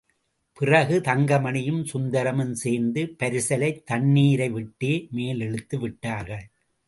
பிறகு தங்கமணியும் சுந்தரமும் சேர்ந்து பரிசலைத் தண்ணீரை விட்டே மேலிழுத்துவிட்டார்கள்.